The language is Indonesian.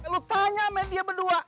lu tanya meh dia berdua